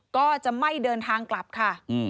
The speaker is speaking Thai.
ก็จะไม่เดินทางกลับค่ะ